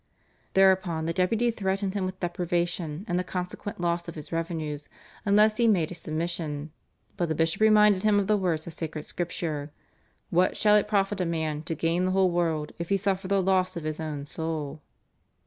Thereupon the Deputy threatened him with deprivation and the consequent loss of his revenues unless he made his submission, but the bishop reminded him of the words of Sacred Scripture, "What shall it profit a man to gain the whole world if he suffer the loss of his own soul?"